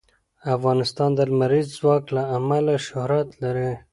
افغانستان د لمریز ځواک له امله شهرت لري.